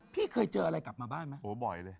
พี่เคยเจออะไรกลับมาบ้านไหมโอ้บ่อยเลย